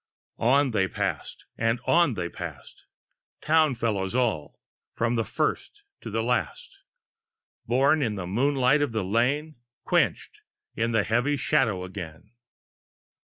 On they pass'd, and on they pass'd; Townsfellows all, from first to last; Born in the moonlight of the lane, Quench'd in the heavy shadow again.